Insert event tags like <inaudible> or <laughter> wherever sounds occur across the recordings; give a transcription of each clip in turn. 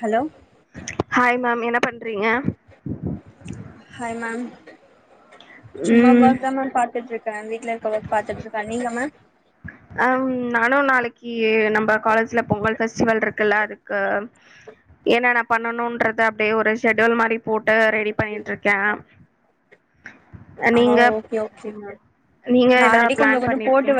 Hello hi ma'am என்ன பண்றீங்க hi ma'am சும்மா ம் ஒர்க் தா மேம் பாத்துட்ருக்க வீட்ல இருக்க ஒர்க் பாத்துட்ருக்க நீங்க மேம் அம் நானு நாளைக்கி ஏ நம்ப காலேஜ்ல பொங்கல் பெஸ்டிவல்டிருக்குல அதுக்கு என்னேன்ன பண்ணணுன்றத அப்டியே ஒரு ஷெடூல் மாரி போட்டு ரெடி பண்ணிட்ருக்கே அஹ் ஆ நீங்க ஓகே ஓகே மேம் நீங்க எதா பிளான் பண்ணிர்க்கி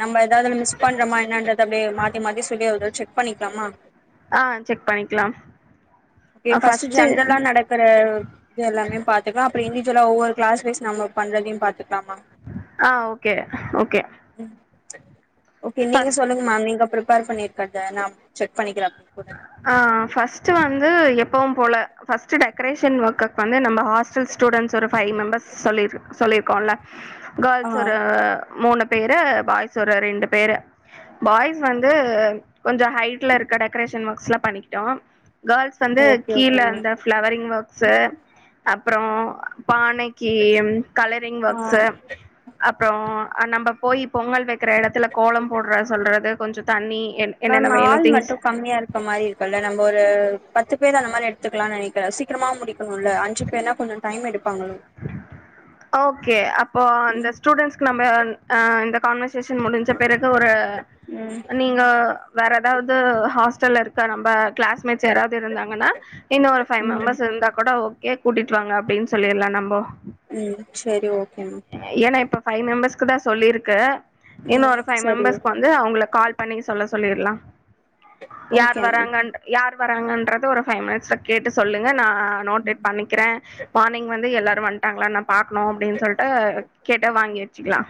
நம்ப எதாவ்து அல்ல மிஸ் பண்றமா என்னன்றது தப்டே மாத்தி மாத்தி சொல்லி செக் பண்ணிக்லாமா ஆஹ் செக் பண்ணிக்லா ஓகே ஃபஸ்ட்டு ஜன்ரல்லா நடக்கற இது எல்லாமே பாத்துக்லா அப்புறு இண்டிஜொல்லா ஒவ்வொ கிளாஸ் வைஸ் நம்ம பண்றதியு பாத்துக்லாமா ஆஹ் ஓகே ஓகே உம் ஓகே நீங்க ஃபஸ் சொல்லுங்கமா நீங்க அப்புறம் ர் பண்ணியிருக்கா நா செக் பண்ணிக்கேன் அப்பனு ஆஹ் ஃபர்ஸ்ட் வந்து எப்பவும் போல ஃபர்ஸ்ட் டெக்கரேஷன் ஒர்க்கக்கு வந்து நம்ம ஹாஸ்டல் ஸ்டூடெண்ட்ஸ் ஒரு ஃபைவ் மெம்பர்ஸ் சொல்லிரு சொல்லிருக்கோம்ல ஆ கேர்ள்ஸ் ஒரு மூன பேரு பாய்ஸ் ஒரு ரெண்டு பேரு பாய்ஸ் வந்து கொஞ்சம் ஹைட்ல இருக்க டெரேஷன் ஒர்க் லாம் பண்ணிக்கிட்டோம் கேர்ள்ஸ் வந்து ஓகே கீழ ஓகே மேம் அந்த பிளவரிங் ஒர்க்ஸ்ஸு அப்புறம் பானைக்கு கலரிங் ஒர்க்ஸ்ஸு ஆ அப்புறம் நம்ம போய் பொங்கல் வை இருக்கிற இடத்துல கோலம் போடுறது சொல்றது கொஞ்சம் தண்ணி என் மேம் என்னென்ன வேணு ஆள் திங்ஸ் மட்டும் கம்மியா இருக்க மாதிரி இருக்கு நம்ம ஒரு பத்து பேர் அந்த மாதிரி எடுத்துக்கலாம் நினைக்கற சீக்கிரமா முடிக்கணும்ல அஞ்சு பேர்னா கொஞ்சம் டைம் எடு ஓகே அ இப்போ அந்த ம் ஸ்டூடெண்ட்ஸ்க்கு நம்ம இந்த கான்வர்சேஷன் முடிஞ்ச பிறகு ஒரு ம் நீங்க வேற ஏதாவது ஹாஸ்டல்ல இருக்க நம்ம கிளாஸ்மேட்ஸ் யாராவது இருந்தாங்கன்னா இன்னும் ஒரு ஃபைவ் ம் மெம்பர்ஸ் இருந்தா கூட ஓகே கூட்டிட்டு வாங்க அப்டினு சொல்லில்லாம் நம்ம ப ம் சரி ஓகே மேம் ஏன்னா இப்போ ஃபைவ் மெம்பர்ஸ் க்கு தான் சொல்லியிருக்கு இன்னும் ம் ஒரு ஃபைவ் சரி மெம்பர்ஸ்க்கு வந்து அவங்கள கால் பண்ணி சொல்ல சொல்லிடலாம் யார் ஓகே மேம் வராங்க யார் வராங்கன்றது ஒரு ஃபைவ் மினிட்ஸ்ல கேட்டு சொல்லுங்க நான் நோட்டேட் பண்ணிக்கிறே மார்னிங் வந்து எல்லாரும் வன்ட்டாங்களான்னு ந பாக்கணும் அப்படினு சொல்லிட்டு கேட்ட வாங்கி வச்சுக்கலாம்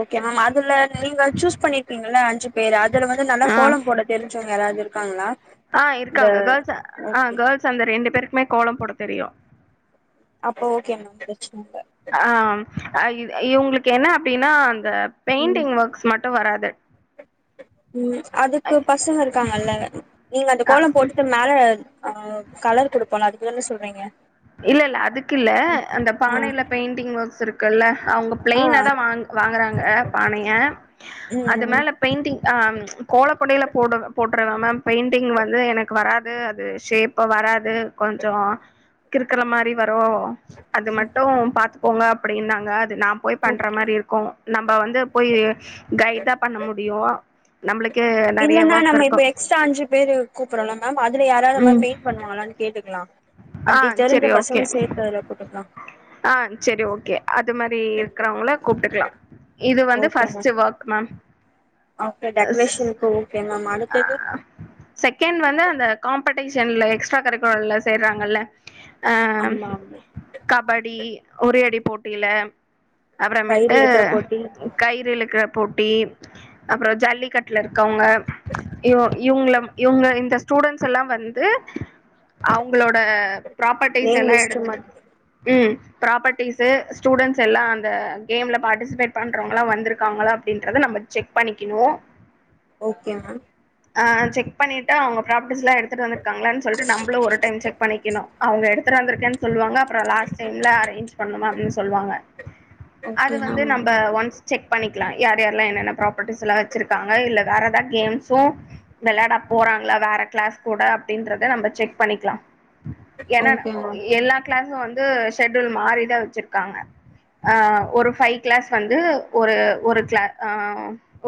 ஓகே மேம் அதுல நீங்க சூஸ் பண்ணிருக்கிங்ள அஞ்சு பேரு அதுல வந்து நல்லா கோலம் போட தெரிஞ்சவங்க யாராவது இருக்காங்களா ஆஹ் இந்த இருக்காங்க கேர்ள்ஸ் ஆஹ் ஓகே கேர்ள்ஸ் அந்த ரெண்டு பேரு மே கோலம் போட தெரியும் அப்ப ஓகே மேம் பிரச்சன இல்ல ஆஹ் இவ இவங்களுக்கு என்ன அப்டின்னா அந்த ம் பெயிண்டிங் ஒர்க்ஸ் மட்டும் வராது <inaudible> ம் அதுக்கு பசங்க இருக்காங்கல்ல நீங்க அந்த அ கோலம் போட்டுட்டு மேல ஆஹ் கலர் கொடுப்போல அதுக்குதானே சொல்றீங்க இல்ல இல்ல அதுக்கு இல்ல அந்த ஆ பானையில பெயிண்டிங் ஒர்க்ஸ் இருக்குல அவங்க ஆ பிளைனாதா வாங் வாங்கறாங்க பானைய ம் அது ம் மேல பெயிண்டிங் ஆம் கோலப்பொடியில போடு போற்றவ மேம் பெயிண்டிங் வந்து எனக்கு வரா து அது ஷேப்பா வரா அது கொஞ்சம் கிருக்கிற மாறி வ ரும் அது மட்டும் பாத்துக்கோங்க அப்டின்னாங்க நா போய் ஓகே. பண்ற மாறி இருக்கு நம்ப வந்து போய் கைதா பண்ண முடியும் நம்புளுக் இல்லன்னா நம்ம இப்போ எக்ஸ்ட்ரா அஞ்சு பேர் கூப்பறோம்ல மேம் அதுல யாராவது அது மா ம் பெயிண்ட் பண்ணுவாங்காளானு கேட்டுக்கலாம் ஆ அப்டி தெரிஞ்ச பசனையு சேத்து அதுல போட்டுக்கலாம் ஆஹ் சரி ஓகே அது மாதிரி இருக்கிறவங்கள கூப்ட்டுக்கலா இது வந்து okay first ma'am work ma'am okay டெக்கரேஷனுக்கு ஓகே மேம் ஆ ஆ அடுத்தது செகண்ட் வந்து அந்த காம்பெட் டேஷன்ல்ல எக்ஸ்ட்ரா கரிக்குலர்ல சேறாங்கல்ல ஆ ஆமா கப் ஒரே அடி போட்டியில கயிறு அப்புறமேட்டு இழுக்குற போட்டி கயிறு இழுக்கற போட்டி அப்புறம் ஜல்லிக்கட்ல இருக்கவங்க இவோ இவங்கள இவங்கள இந்த ஸ்டூடெ்ன்ஸ் எல்லா வந்து அவங் ங்களோட ப்ராப்பர்டிஸ் நேம் எல்லா லிஸ்ட் எடுத்துட்டு மட் ம் ப்ராப்பர்ட்டிசூ ஸ்டூடண்ஸ் எல்லாம் அந்த கேம்ல பார்ட்டிசிபேட் பண்றவங்கலாம் வந்திருக்காங்களா அப்டின்றத நம்ம செக் பண்ணிக்கணும் ஓகே மேம் ஆஹ் செக் பண்ணிட்டு அவங்க பராப் பர்ட்டீஸ்லாம் எடுத்துட்டு வந்திருக்கானு சொல்லிட்டு நம்புளும் ஒரு டைம் செக் பண்ணிக்கணு அவங்க எடுத் எடுத்துட்டு வந்துருக்கேனு சொல்லுவாங்க அப்புறம் லாஸ்ட் எல்லாம் அரேஞ் பண்ணும் அப்படின்னு சொல்லுவாங்க ஓகே அது வந்து மேம் நம்ம ஒன்ஸ் செக் பண்ணி லாம் யார் யாரல்லாம் என்னென்ன ப்ராப்பர்ட்டிஸ் எல்லாம் வச்சிருக்காங்க இல்ல வேற ஏதாவ கேம்ஸும் விளையாடா போறாங்களா வேற கிளாஸ் கூட அப்படின்றத நம்ம செக் பண்ணிக்கலாம் என்னன்ன ஓகே மேம் எல்லா கிளாஸ் ஆன் வந்து ஷெட்யுல் மாறி தா வச்சிருக்காங்க ஆ ஒரு பைவ் கிளாஸ் வந்து ஒரு கிளா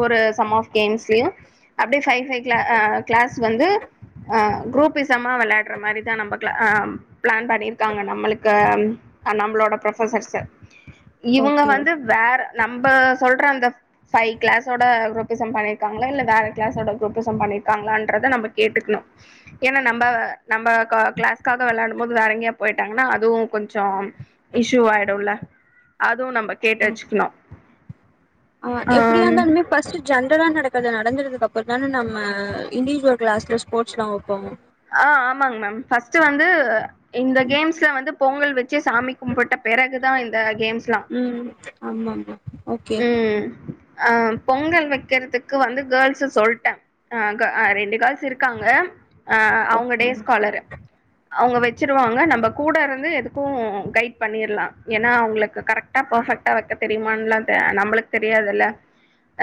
ஒரு சம் ஆஃப் கேம்ஸ்லயு அப்டியே பைவ் பைவ் க்ள கிளாஸு வந்து குரூப் மா வெளாட்ற மாரிதா நம்ப பிளான் பண்ணிருக்காங்க நம்ளுக் நம்ளோட ப்ரோபோசர்ஸு இவங்க ஓகே வந்து வேற நம்ப சொல்ற அந்த பைவ் கிளாஸோட ரொடேசன் பண்ணி க்காங்கலா இல்ல வேற கிளாஸ்ஓட ரொட்டேஷன் பண்ணிருக்காங்களான்றத நம்ப கேட்டுக்குனு ஏன்னா நம்ப நம்ப க கிளாஸ்காக வெளாடும் போது வேற எங்கயா பொயிட்டாங்கன்னா அது அதுவும் கொஞ்ஜோ இஷூ ஆய்டுல அது துவு நம்ப கேட்டு ஆ வெச்சுக்கணு ஆ எப்டியா இருந்தாலுமே பர்ஸ்ட்டு ஜென்ரலா நடக் அது நடந்தரதுக்கு அப்றோ தானே நம்ப இண்டிவிஜுவல் கிளாஸ்ல ஸ்போர்ட்ஸ்லா வப்போ ஆ ஆமாங்க மேம் ஃபர்ஸ்ட்டு வந்து இந்த கேம்ஸ்ல வந்து பொங்கல் வெச் சி சாமி கும்பிட்ட பெறகு தா தா இந்த கேம்ஸ்லா ம் ஆமாமா ஓகே ம் ஆ பொங்கல் வைக்கறதுக்கு க்கு வந்து கேர்ள்ஸு சொல்ட்டே ஆ ரெண்டு கேர்ள்ஸ் இருக்காங்க ஆ அவங்க ஓகே டேஸ்காலரு அவங்க வெச் வச்சிருவாங்க நம்ப கூட இருந்து எதுக்கு கைட் பண்ணிர்லா ஏன்னா அவுங்ளுக்கு கரெக்டா பர்பெக்ட்டா வைக்க தெரியுமான்லா நம்ளுக்கு தெரியாதுல்ல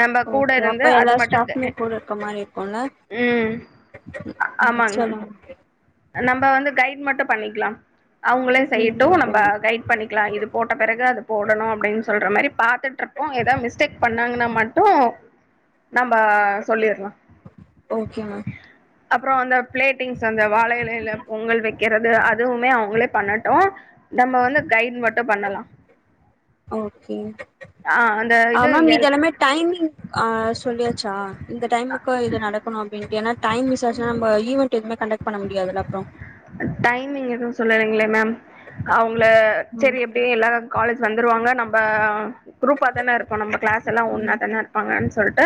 நம்ப கூட ஓகே இருந்து அப்ப எல்லா அது ஸ்டாஃப்மே மட்டும் கூட இருக்க மாரி இருக்கு இல்ல ம் ஆமாங்க மேம் நம்ப வந்து கைட் மட்டு பண்ணிக்லா அவங்ளே ம் செய்யட்டு ஓகே நம்ப மேம் கைட் பண்ணிக்கலா இது போட்ட பிறகு அது போடணு அப்டின்னு சொல்ற மாரி பாத்துட்ருப்போ எதா மிஸ்டேக் பண்ணாங்கன்னா மட்டு நம்ப சொல்லிர்லா ஓகே மேம் அப்றோ அந்த பிளேட்டிங்ஸ் சோ அந்த வாழ இலையில பொங்கல் வைக்க க்கிறது அதுவுமே அவங்ளே பண்ணட்டு நம்ம வந்து கைட் மட்டு பண்ணலா ஓகே ஆ அந்த இது ஆமா மீதி எல் எல்லாமே டைமிங் ஆஹ் சொல்லியாச்சா இந்த டைமுக்கு இது நடக்கணு அப்டின்டு ஏன்னா டைம் மிசாச்சனா நம்ப ஈவன்ட் எதுவுமே கண்டக்ட் பண்ண முடியாதுல அப்றோ டைமிங் எதுவும் சொல்லலைங்களே மேம் அவங்க செரி ம் எப்படியு எல்லாரும் காலேஜ் வந்துருவாங்க நம் <unintelligible> குரூப்பா தான இருப்போம் நம்ம கிளாஸ் எல்லா ஒன்னா ம் தான இருப்பாங்கன்னு சொல்ட்டு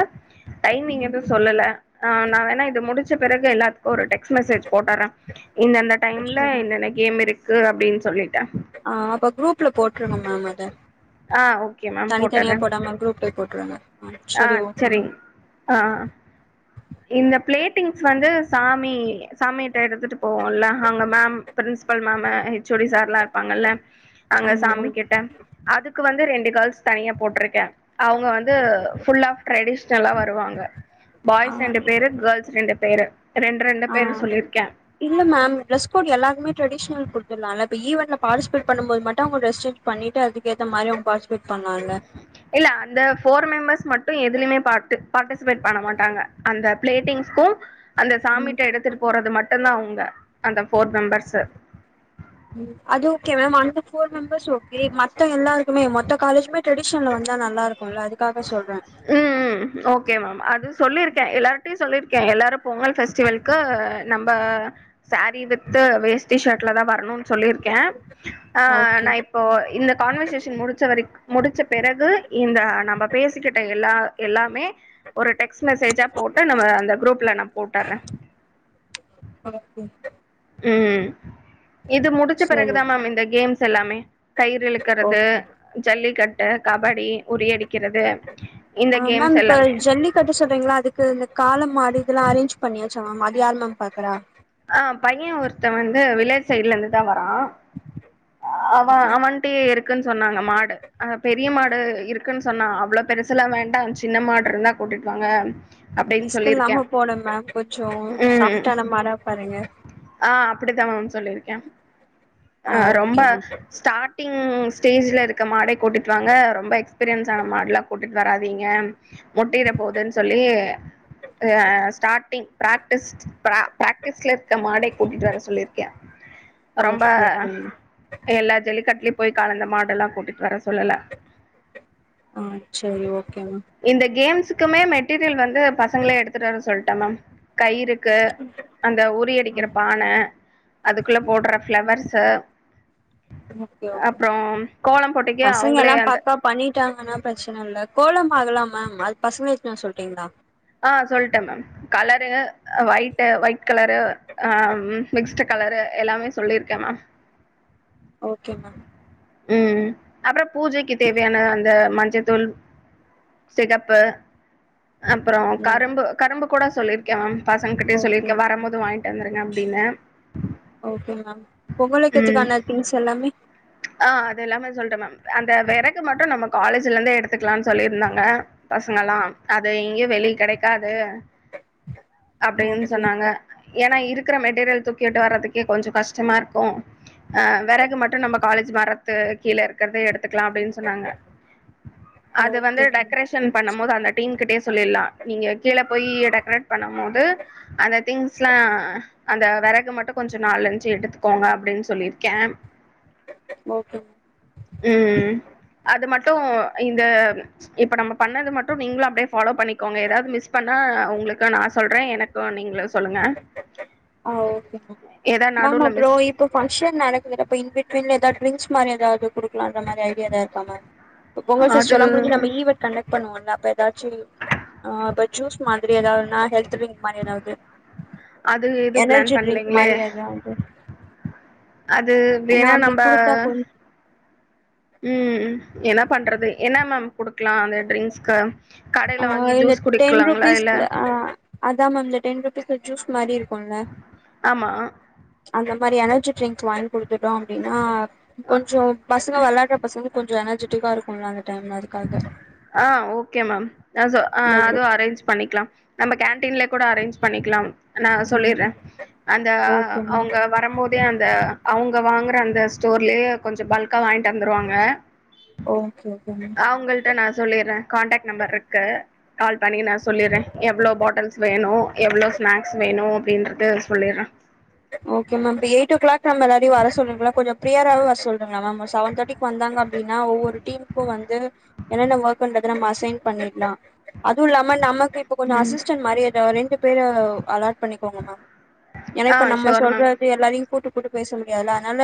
டைமிங் எதவு சொல்லல ஆஹ் நா வேணா இது முடிச் ச்ச பிறகு எல்லாத்துக்கு ஒரு டெக்ஸ்ட் மெசேஜ் போட்டுறே இந்தெந்த டைம்ல இன்னென்ன கேம் இருக் க்கு அப்டின்னு சொல்லி ஆஹ் அப்ப குரூப்ல போற்று ட்ரூவோம் மேம் அத ஆ ஓகே தனித்தனியா போடாம குரூப்ல போற்றுங்க ஆஹ் சரிங்க ஆஹ் இந்த பிளேட்டிங்ஸ் வந்து சா மி சாமியிட்ட எடுத்துட்டு போவோல அங்க ma'am principal ma'am H O D சார்லா பாங்கல்ல அங்க மேம் சாமி கிட்ட அதுக் கு வந்து ரெண்டு கேள்ஸ் தனியா போட்டிருக்கே அவங்க வந்து ஃபுல் ஆஃப் ட்ரெடிஷ்னலா வருவாங்க ரெண்டு பேரு கேள்ஸ் ரெண்டு பேரு ரெண்டு ரெண்டு பேரு ஆஹ் சொல்லியிருக்கே இல்ல மேம் ட்ரெஸ் கோட் எல்லாருக்குமே ட்ரெடிஷ்னல் குடுத்துடுலால இப்ப ஈவன்ட்ல பார்டிசிபேட் பண்ணும் போது மட்டும் அவங்க டிரஸ் சேஞ்ச் பண்ணிட்டு அதுக்கு ஏத்தமாரி அவங்க பாஷ் இல்ல அந்த ஃபோர் மெம்பர்ஸ் மட் டு எதுலுமே பார்ட் பார்டிசிபேட் பண்ண மாட்டாங்க அந்த பிளேட்டிங்ஸ்கும் அந்த ம் சாமிட்ட எடுத்துட்டு போறது மட்டு தா அவங்க அந்த ஃபோர் மெம்பர்ஸு அது ஓகே மேம் அந்த ஃபோர் மெம்பர்ஸ் ஓகே மத்த எல்லார் ம் மொத்த காலேஜுமே ட்ரெடிஷன்ல வந்த நல்ல இருக் உம் ம் ஓகே மேம் அது சொல்லிருக்கேன் எல்லார்ட்டயும் சொல்லிருக்கேன் எல்லாரும் பொங்கல் ஃபெஸ்டிவல்கு நம்ப சாரீ வி்த்து வேஸ்ட்டி ஷர்ட்லதா வரணு சொல்லியிருக்கே ஆ ஓகே நா இப்போ இந்த கான்வர்சேஷன் முடிச்ச வரக்கு முடிச்ச பிறகு இந்த நம்ம கிட்டே எல்லா எல்லாமே ஒரு டெக்ஸ்ட் மெசேஜா போட்டு நம்ப அந்த குரூப்ல நா போட்டுறே ஓகே உம் இது முடிச்ச சரி பிறகுதாமேம் இந்த கேம்ஸ் எல்லாமே. கயிறு இழுக்குறது ஓகே ஜல்லிக்கட் த கபடி உறியடிக் அ மேம் இப்ப ஜல்லிக்கட்டு சொல்றீங்கள அதுக்கு இந்த கால மாடு இதெல்லா அரேன்ஞ் பண்ணியாச்சு அ மதியானம் பாக்குறா ஆ பைய ஒருத்த வந்து வில்லேஜ் சைடுல இருந்துதா வர் ஆ அவ ஓகே மேம் அவன்ட்டயே இரு க்குன் சொன்னாங்க மாடு பெரிய மாடு இருக்குன்னு சொன்னா அவ்ள பெருசெலா வேண்டா சின்ன மாடு இருந்தா கூட்டிட் வாங்க அப்டின்னு ரிஸ்க் சொல்லிருக்கே இல்லாம போகனு மேம் கொஞ்ச ம் சாஃப்டான மாடா பாருங்க ஆ அப்படித்தா மேம் சொல்லிருக்க ஆ அ ரொம்ப ஓகே மேம் ஸ்டாட்டிங் ம் ஸ்டேஜில இருக்க மாடே கூட்டிட்டு வாங்க ரொம்ப எக்ஸ்பீரியன்ஸ் ஆன மாடெல்லா கூட்டிட்டு வராதீங்க முட்டிட போகுதுன் சொல்லி அ ஸ்டாட்டிங் பிராக்டிஸ்டு ப்ர பிராக்டிஸ்ல இருக்க மாடை கூட்டிட்டு வர சொல்லிருக்கே ரொம்ப ஓகே ஓகே மேம் எல்லா ஜல்லிக்கட்லயு போய் கலந்த மாடெல்லா கூட்டிட்டு வர சொல்லல ஆ சரி ஓகே மேம் துக்குமே மெட்டீரியல் வந் கு பசங்கள எடுத்துட்டு வர சொல்ட் டனம் கை இருக்கு அந்த உறி ஆ அடிக்கற பான அதுக்குள்ள போட்ற ஃபளவர்ஸ் ச ஓகே ஓகே மேம் கோலம் போட்டிக்கு பசங்க அவங்களே எல்லா அந்த பக்கா பண்ணிட்டாங்கன்னா ப்ரச்சன இல்ல கோலம் ஆகலா மேம் அது பசங்கள்ட்டலா சொல்டிங்ளா ஆ சொல்ட்ட மேம் கலரு அ வைட்டு வைட் கலரு ஆ மிக்ஸ்டு கலரு எல்லாமே சொல்லிருக்க மேம் ஓகே மேம் ம் அப்ற பூஜைக்கு ம் தேவையான அந்த மஞ்சதூள் சிகப்பு அப்பறோ ம் கரும்பு கரும்பு கூட சொல்லிருக்கே மேம் பசங்க கிட்டயு ஓகே சொல்லிருக்க வரம்போது வாங்கிட்டு வந்துருங்க அப்டின்னு ஓகே மேம் பொங்க ம் வைக்கிறதுக்கான திங்ஸ் எல்லாமே ஆ அது எல்லாமே சொல்ட மேம் அந்த வெறகு மட்டு நம்ம காலேஜ்ல இருந்தே எடுத்துக்லான் சொல்லிருந்தாங்க பசங்கெலா அது எங்கயு வெளிய கெடைக்காது அப்டின் ஓகே சொன்னாங்க ஓகே ஏனா இருக்கற மெட்டீரியல்ஸ தூக்கிட்டு வர்றதுக்கே கொஞ்சோ கஷ்டமா இருக்கு ஆ வெறகு மட்டு நம்ம காலேஜ் மரத்து கீழ இருக்றதே எடுத் துக்லா அப்டின் சொன்னாங்க அது வந்து ஓகே மேம் டெகரேஷன் பண்ணும்போது அந்த டீன் கிட்டயே சொல்லிர்லா நீங்க கீழ போயி டெகரேட் பண்ணம் போது அந்த திங்ஸ்லா அந்த வெறகு மட்டு கொஞ்சோ நாளஞ்சு எடுத்துக்கோங்க அப்டின்னு சொல்லிருக்கே ஓகே மேம் ம் அது மட் டு இந்த இப்ப நம்ம பண்ணது மட்டு நீங்களு அப்டே ஃபாலோ பண்ணிகோங்க ஏதாவது மிஸ் பண்ணா உங்களுக்கு நா சொல்றே எனக்கும் நீங்களு சொல்லுங்க, அ, ஓகே மேம், ஏதா மேம் நடுவுல அப்றோ மிஸ் இப்ப ஃபங்ஷன் நடக்குதுல அப்ப இன்பிட்வின்ல எதாது ட்ரிங்ஸ் மாறி எதாது குடுக் லான்ற மாரி ஐடியா எதா இருக்கா மேம் இப்ப பொங்கல் அது ஃபெஷ்டிவல்லா முடிஞ்சி நம்ப ஈவண்ட் கண்டக்ட் பண்ணுவோல்ல அப்ப எதாச்சு அ அப்ப ஜூஸ் மாதிரி எதாதுனா ஹெல் ட்ரிங்க் மாரி எதாவது அது எதுவு பிளான் எனர்ஜி ட்ரிங்க் பண்லைங்களே மாரி எதாவது அது வேணா நம்ப, ம் என்ன பண்றது? என்ன மேம் குடுக்கலா அந்த ட்ரிங்க்ஸ்க்கு கடையில அ வாங்கி இல்ல ஜூஸ் டென் குடிக்கலாங்களா இல்ல ருபீஸ்ல ஆ அ தா மேம் இந்த டென் ருபீஸ்ல ஜூஸ் மாரி இருக் ஆமா அந்த மாரி எனர்ஜி ட்ரிங்க் வாங்கி குடுத்துட்டோ அப்டின்னா கொஞ்சோ பசங்க வெளாடுற பசங்க கொஞ்சோ எனர்ஜெட்டிக்கா இருக்கும்ல அந்த டைம்ல அது ஆ ஓகே ஓகே மேம் ஆ சொ ஆ அதுவு அரேஞ்ச் பண்ணிக்லாம் நம்ம கேன்டீன்ல கூட அரே்ஞ்ச் பண்ணி க்லாம் நா சொல்லிறே ம் அந்த அ ஓகே மேம் அவுங்க வரம்மோதே அந்த அவுங்க வாங்குற அந்த ஸ்டோர்லேயே கொஞ்ச பால் அக்கா வாய்ன்ட்டு வந்துருவாங்க ஓகே ஓகே மேம் உங்கள்ட்ட நா சொல்லிறே கான்டாக்ட் நம்பர் இருக்கு கால் பண்ணி நா சொல்லிறே எவ்ளோ பாட்டில்ஸ் வேணு எவ்ளோ ஸ்நாக்ஸ் வேணு அப்படின்றது சொல்லிறே ஓகே மேம் இப்ப எய்ட் ஓ கிளாக் நம்ம எல்லாரையு வர சொ சொல்லுங்களா கொஞ்சோ பிரியரா வர சொல்ட்டுங்களா மேம் ஒரு செவன் தேட்டிக்கு வந்தாங்க அப்டின்னா ஒவ்வொரு டீம்முக்கு வந்த் து என்னென்ன ஒர்க் பண்றது நம்ம அசைன் பண்ணிட்லா அது இல்லாம நமக்கு இப்ப கொஞ்சோ ம் அசிஸ்டன் மாரி எதோ ரெண்டு பேரு அலட் பண்ணிக்கோங்க ஆ மேம் நா ஷோர் மேம் சொல்றது எல்லாரையு கூட்டு கூட்டு பேச முடியாதுல்ல அதனால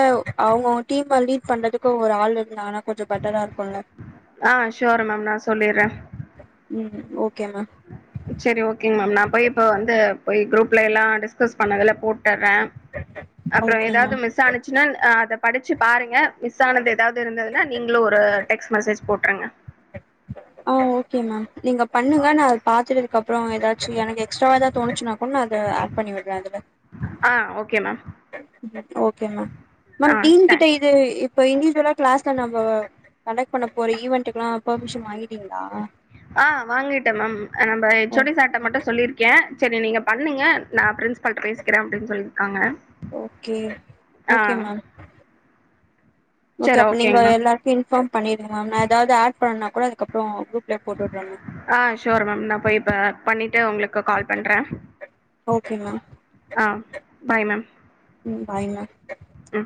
அவுங்கவுங்க டீம லீட் பண்றதுக்கு ஒரு ஆள் இருந்தாங்னா ஆ சுயர் மேம் நா சொல்லிட்றே ஓக் செரி ஓகேங் மேம் நா போய் இப்ப வந்து போய் குரூப்லே எல்லா டிஸ்கஸ் பண்ணதுல போட் ஆ அ அப்புறோ ஓகே ஏதாவது மேம் மிஸ் ஆனுச்சுன்னா ஆ அத படிச்சு பாருங்க மிஸ் ஆனது ஏதாவது இருந்ததுன்னா நீங்களு ஒரு டெக்ட் மெசேஜ் போட்டுருங்க ஆ ஓகே மேம் நீங்க பண்ணுங்க நா அத பாத்துட்டதுக்கு அப்புறோ ஏதாச்சு எனக்கு எக்ஸ்ட்ரா ஏதா தோனுச்சுனா கூட நா அத ஆட் பண்ணி விட்றே அதுல ஆ okay ma'am okay ma'am ma'am ஆ டீன் கிட்ட தேங்க்ஸ் இது இப்ப இன்டிஜ்வலா கிளாஸ்ல நம்ப வ கண்டக்ட் பண்ண போற ஈவெண்ட் ஆ வாங்கிட்டே மேம் நம்ப ஓ ஹெச்சோடி சார்ட மட்டு சொல்லிருக்கே செரி நீங்க பண்ணுங்க நா பிரின்ஸ்பால்ட்ட பேசிக்கிறே அப்படின் சொல்லிருக்காங்க ஓகே ஓகே மேம் ஒகே சரி அப்ப நீங்க ஓகேங்க மேம். எல்லார்டையு இன்பார்ம் பண்ணிருங்க மேம் நா எதாவது ஆட் பண்ணா அதுக்கப்றோ ஆஹ் ஷோர் மேம் நா போய் இப்ப பண்ணி உங்ளுக்கு கால் பண்றே ஓகே மேம் ஆஹ் பாய் மேம் பாய்மா உம்